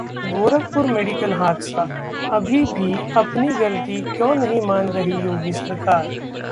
Gorakhpur medical हादसा: अभी भी अपनी गलती क्यों नहीं मान रही योगी सरकार